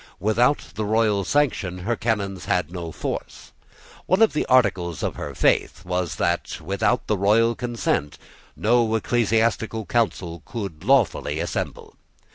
Without the royal sanction her canons had no force. One of the articles of her faith was that without the royal consent no ecclesiastical council could lawfully assemble.